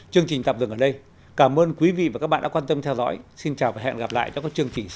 chương trình tạm dừng ở đây cảm ơn quý vị và các bạn đã quan tâm theo dõi xin chào và hẹn gặp lại trong các chương trình sau